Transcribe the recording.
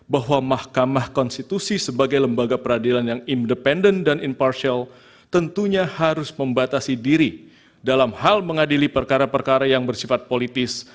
bahwa mahkamah konstitusi sebagai lembaga peradilan yang independen dan impartial tentunya harus membatasi diri dalam hal mengadili perkara perkara yang bersifat politis